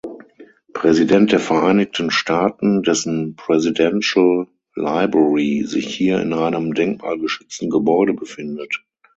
Präsident der Vereinigten Staaten, dessen Presidential Library sich hier in einem denkmalgeschützten Gebäude befindet.